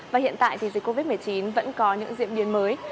và hiện tại thì dịch covid một mươi chín vẫn có những diễn biến mới